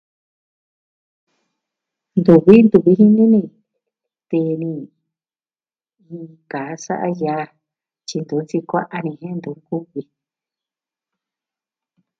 Ntuvi ntu jini nuu ni, tee ni, kaa sa'a yaa, tyi ntu tyukuaa a ni jen ntu kuvi.